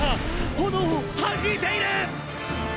⁉炎を弾いている！！」